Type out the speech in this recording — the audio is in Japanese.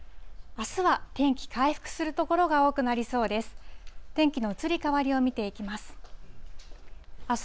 あすは天気回復する所が多くなりそうです。